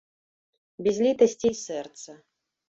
Без літасці і сэрца.